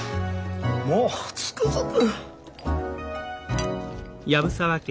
もうつくづく。